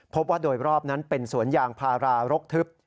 พบว่าโดยรอบนั้นเป็นสวนยางพารารกทึบ